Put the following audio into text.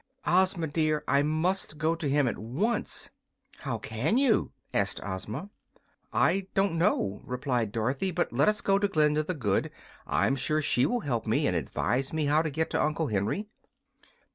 Ozma, dear, I must go to him at once!" "How can you?" asked Ozma. "I don't know," replied Dorothy; "but let us go to Glinda the Good. I'm sure she will help me, and advise me how to get to Uncle Henry."